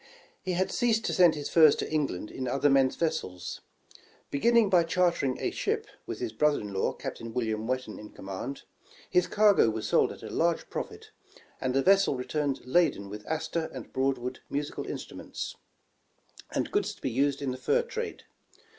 He had ceased to send his furs to Eng land in other men's vessels. Beginning by chartering a ship, with his brother in law, Captain William Whet tan in command, his cargo was sold at a large profit, and the vessel returned laden with Astor and Broad wood musical instruments, and goods to be used in the fur trade.